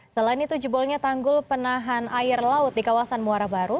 selain itu jebolnya tanggul penahan air laut di kawasan muara baru